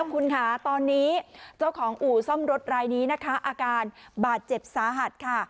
คุณค่ะตอนนี้เจ้าของอู่ซ่อมรถรายนี้นะคะอาการบาดเจ็บสาหัสค่ะ